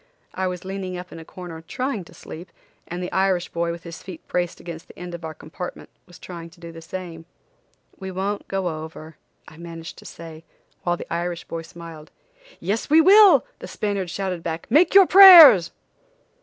I was leaning up in a corner trying to sleep and the Irish boy, with his feet braced against the end of the compartment, was trying to do the same. "We won't go over," I managed to say, while the Irish boy smiled. "Yes, we will," the Spaniard shouted back, "Make your prayers!"